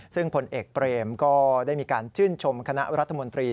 ซึ่งผลเอกเปรมก็ได้มีการชื่นชมคณะรัฐมนตรี